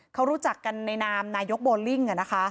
เขารู้จักกันในนามนายกโบลิ่ง